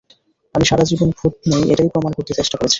আমি সারা জীবন ভূত নেই এটাই প্রমাণ করতে চেষ্টা করেছি।